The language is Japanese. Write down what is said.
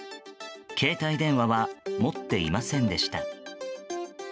携帯電話は持っていませんでした。